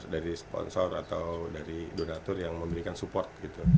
dari sponsor atau dari donatur yang memberikan support gitu